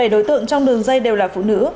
một mươi bảy đối tượng trong đường dây đều là phụ nữ